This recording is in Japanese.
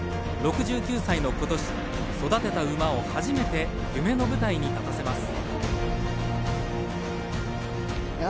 ６９歳のことし育てた馬を初めて夢の舞台に立たせます。